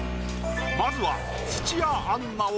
まずは。